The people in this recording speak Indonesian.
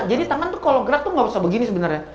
jadi tangan tuh kalo gerak tuh gak usah begini sebenernya